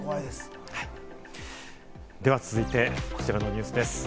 では続いてこちらのニュースです。